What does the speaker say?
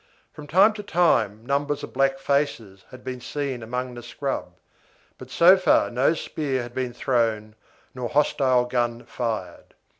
From time to time numbers of black faces had been seen among the scrub, but so far no spear had been thrown nor hostile gun fired.